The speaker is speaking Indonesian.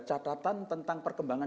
catatan tentang perkembangan